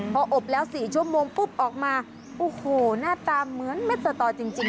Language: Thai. พออบแล้ว๔ชั่วโมงปุ๊บออกมาโอ้โหหน้าตาเหมือนเม็ดสตอจริง